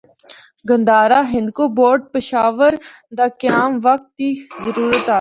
گندھارا ہندکو بورڈ پشور دا قیام وقت دی ضرورت آسا۔